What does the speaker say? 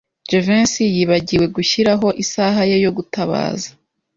Jivency yibagiwe gushyiraho isaha ye yo gutabaza.